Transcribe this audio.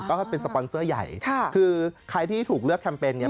ก็ให้เป็นสปอนเซอร์ใหญ่ค่ะคือใครที่ถูกเลือกแคมเปญเนี่ย